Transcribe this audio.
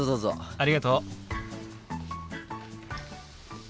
ありがとう。